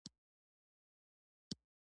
چې روسي نوم ئې Bratstvoدے